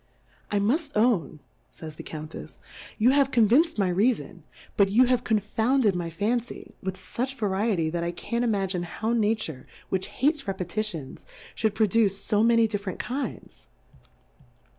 I muft own, fajfs tioe Counttfs^ you have convinc'd my Reafoa, but you have confounded my Fancy, with fuch Va riety, that I can't imagine how Nature, which hates Repetitions, fhould pro duce fo many different Kinds.